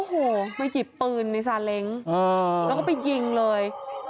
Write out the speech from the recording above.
โอ้โหมาหยิบปืนในซาเล้งแล้วก็ไปยิงเลย